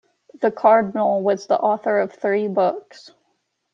The Cardinal was the author of three books.